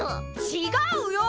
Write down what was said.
ちがうよ！